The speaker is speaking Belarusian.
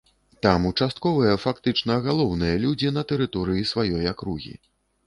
Там участковыя фактычна галоўныя людзі на тэрыторыі сваёй акругі.